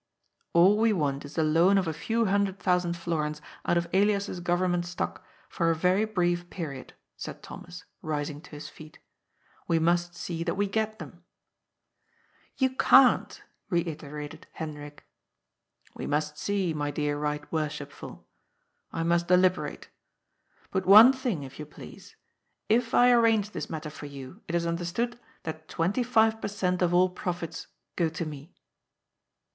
" All we want is the loan of a few hundred thousand florins out of Elias's Government Stock for a very brief period," said Thomas, rising to his feet. "We must see that we get them." " You can't," reiterated Hendrik. ^ THE POWER OF ATTORNEY. 323 "We must see, my dear Bight Worshipful. I must deliberate. But one thing, if you please. If I arrange this matter for you, it is understood, that twenty five per cent, of all profits go to me."